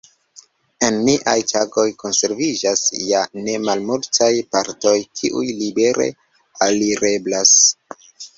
En niaj tagoj konserviĝas ja ne malmultaj partoj kiuj libere alireblas.